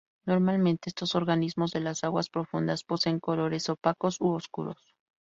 Normalmente estos organismos de las aguas profundas poseen colores opacos u oscuros.